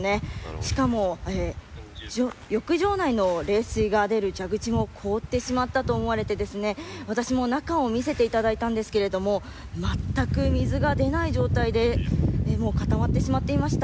しかも、浴場内の冷水が出る蛇口も凍ってしまったと思われて私も中を見せていただいたんですがまったく水が出ない状態で固まってしまっていました。